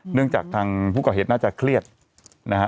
เนื่องจากทางผู้ก่อเหตุน่าจะเครียดนะฮะ